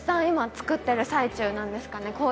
今造ってる最中なんですかね